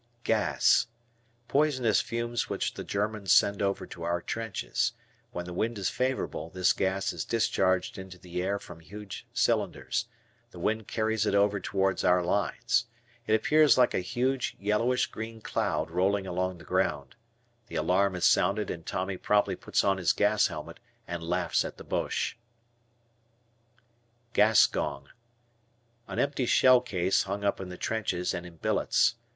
G Gas. Poisonous fumes which the Germans send over to our trenches. When the wind is favorable this gas is discharged into the air from huge cylinders. The wind carries it over toward our lines. It appears like a huge yellowish green cloud rolling along the ground. The alarm is sounded and Tommy promptly puts on his gas helmet and laughs at the Boches. Gas Gong. An empty shell case hung up in the trenches and in billets.